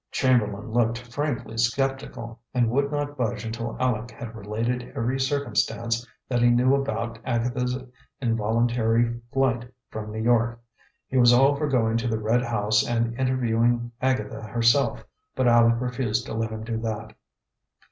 Chamberlain looked frankly skeptical, and would not budge until Aleck had related every circumstance that he knew about Agatha's involuntary flight from New York. He was all for going to the red house and interviewing Agatha herself, but Aleck refused to let him do that.